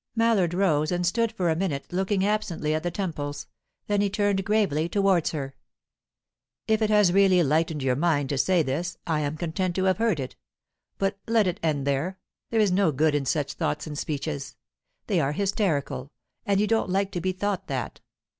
Mallard rose and stood for a minute looking absently at the temples. Then he turned gravely towards her. "If it has really lightened your mind to say this, I am content to have heard it. But let it end there; there is no good in such thoughts and speeches. They are hysterical, and you don't like to be thought that.